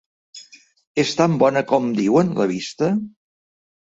És tant bona com diuen la vista?